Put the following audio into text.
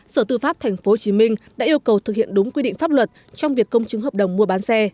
sở tư pháp tp hcm đã yêu cầu thực hiện đúng quy định pháp luật trong việc công chứng hợp đồng mua bán xe